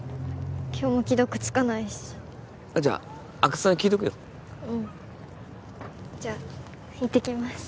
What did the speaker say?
今日も既読つかないしあっじゃ阿久津さんに聞いとくようんじゃあ行ってきます